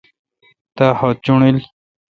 تا خط چوݨڈیل۔